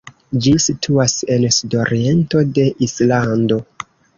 Ĝi situas en sudoriento de Islando.